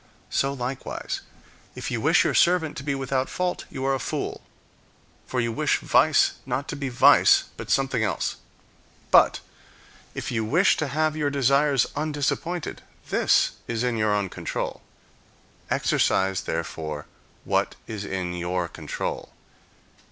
So likewise, if you wish your servant to be without fault, you are a fool; for you wish vice not to be vice," but something else. But, if you wish to have your desires undisappointed, this is in your own control. Exercise, therefore, what is in your control.